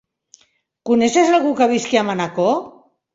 Coneixes algú que visqui a Manacor?